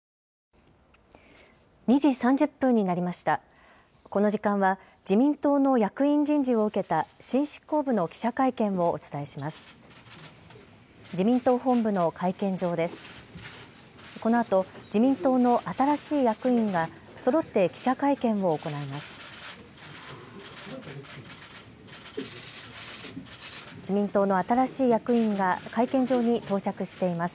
このあと自民党の新しい役員がそろって記者会見を行います。